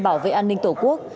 bảo vệ an ninh tổ quốc